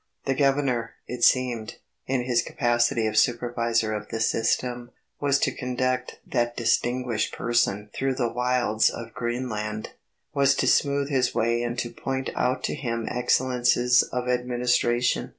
The Governor, it seemed, in his capacity of Supervisor of the Système, was to conduct that distinguished person through the wilds of Greenland; was to smooth his way and to point out to him excellences of administration.